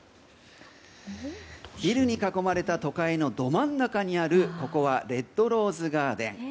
ビルに囲まれた都会のど真ん中にあるここは、レッドローズガーデン。